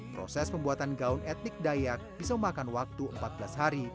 proses pembuatan gaun etnik dayak bisa memakan waktu empat belas hari